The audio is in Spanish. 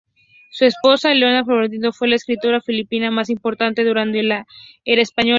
Su esposa, Leona Florentino, fue la escritora filipina más importante durante la era española.